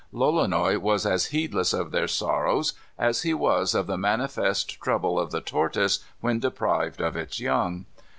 Lolonois was as heedless of their sorrows as he was of the manifest trouble of the tortoise when deprived of its young.